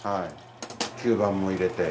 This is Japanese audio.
吸盤も入れて。